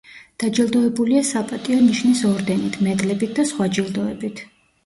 დაჯილდოებულია „საპატიო ნიშნის“ ორდენით, მედლებით და სხვა ჯილდოებით.